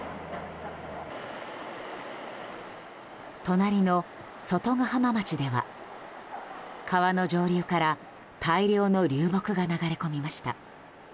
隣の外ヶ浜町では、川の上流から大量の流木が流れ込みました。